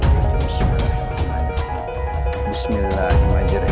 mereka tidak mau disiuman dengan cepat